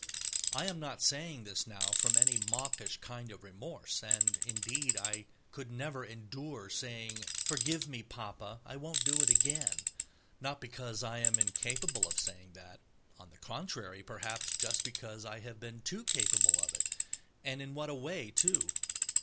I am not saying this now from any mawkish kind of remorse. And, indeed, I could never endure saying, "Forgive me, Papa, I won't do it again," not because I am incapable of saying that—on the contrary, perhaps just because I have been too capable of it, and in what a way, too.